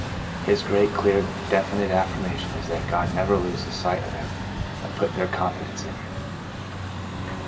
His great, clear, definite affirmation is that God never loses sight of them that put their confidence in Him.